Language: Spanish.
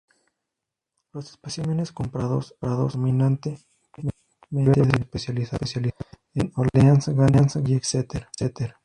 Los especímenes comprados predominantemente de viveros especializados en Orleans, Gante, y Exeter.